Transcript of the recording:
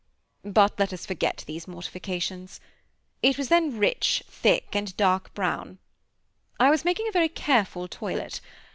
But let us forget these mortifications. It was then rich, thick, and dark brown. I was making a very careful toilet.